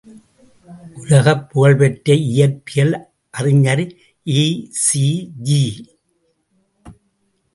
உலகப் புகழ்பெற்ற இயற்பியல் அறிஞர் ஈ.சி.ஜி.